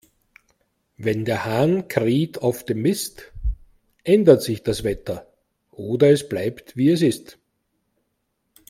Wenn der Hahn kräht auf dem Mist, ändert sich das Wetter, oder es bleibt, wie es ist.